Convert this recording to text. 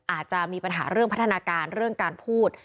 อาจจะมีปัญหาเรื่องพัฒนาการเรื่องการพูด